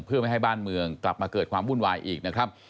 เพื่อไม่ให้บ้านเมืองกลับมาเกิดความวุ่นวายอีกนะครับ